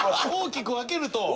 大きく分けて。